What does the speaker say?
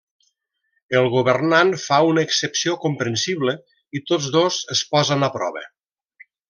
El governant fa una excepció comprensible, i tots dos es posen a prova.